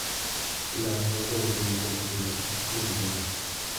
La vengeance venait d'un pied lent, mais elle venait.